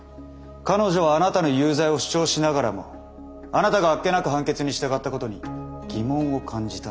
彼女はあなたの有罪を主張しながらもあなたがあっけなく判決に従ったことに疑問を感じたんでしょう。